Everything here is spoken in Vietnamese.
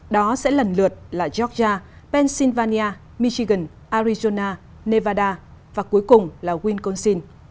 đó sẽ lần lượt là georgia pennsylvania michigan arizona nevada và cuối cùng là winconsin